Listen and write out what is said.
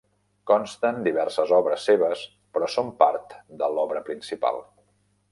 Consten diverses obres seves però són parts de l'obra principal.